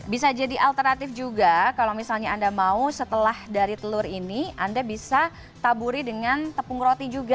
bisa jadi alternatif juga kalau misalnya anda mau setelah dari telur ini anda bisa taburi dengan tepung roti juga